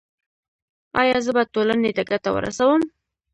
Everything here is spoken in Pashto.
ایا زه به ټولنې ته ګټه ورسوم؟